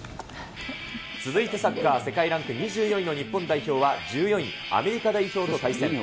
続いてサッカー、世界ランク２４位の日本代表は１４位、アメリカ代表と対戦。